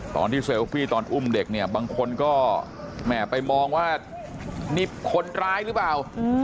เซลฟี่ตอนอุ้มเด็กเนี่ยบางคนก็แหม่ไปมองว่านี่คนร้ายหรือเปล่า